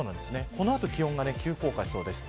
この後気温が急降下しそうです。